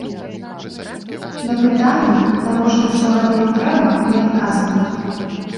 На пытанні, навошта ўсё гэта ім трэба, не адказваюць.